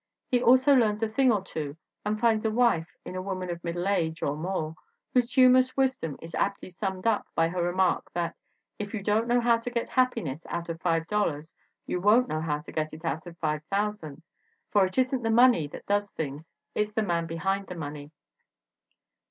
He #lso learns a thing or two and finds a wife in a wo man of middle age (or more) whose humorous wisdom is aptly summed up by her remark that "if you don't know how to get happiness out of five dollars, you won't know how to get it out of five thousand. For it isn't the money that does things; it's the man be hind the money."